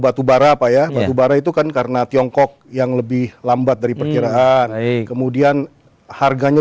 batubara bayar batubara itu kan karena tiongkok yang lebih lambat dari nikaraan kemudian harganya